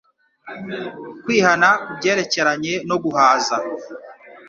kwihana ku byerekeranye no guhaza